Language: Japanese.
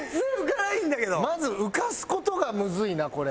まず浮かす事がむずいなこれ。